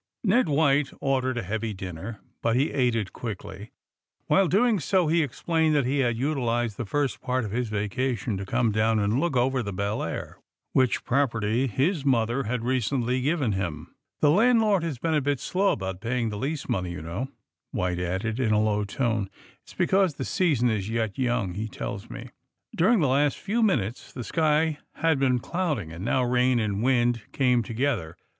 Ned White ordered a heavy dinner, but he ate it quickly. While doing so he explained that he had utilized the first part of his vacation to c^me down and look over the Belleair, which property his mother had recently given him. The landlord has been a bit slow about pay ing the lease money, you know,^' White added, in a low tone. ^^It^s because the season is yet young, he tells me. '^ During the last few minutes the sky had been clouding, and now rain and wind came together.